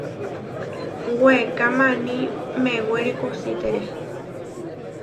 Weeká maní newéri kusitere.